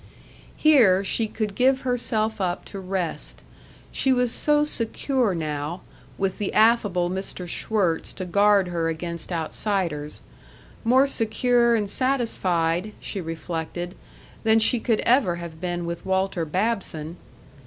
Here she could give herself up to rest; she was so secure now, with the affable Mr. Schwirtz to guard her against outsiders more secure and satisfied, she reflected, than she could ever have been with Walter Babson....